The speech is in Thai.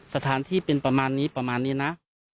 สถานที่เป็นประมาณนี้ประมาณนี้นะ